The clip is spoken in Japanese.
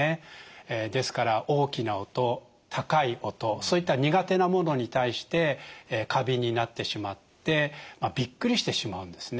ですから大きな音高い音そういった苦手なものに対して過敏になってしまってびっくりしてしまうんですね。